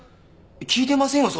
聞いてませんよ